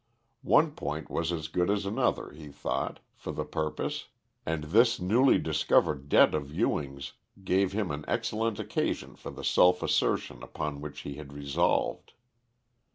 One point was as good as another, he thought, for the purpose, and this newly discovered debt of Ewing's gave him an excellent occasion for the self assertion upon which he had resolved.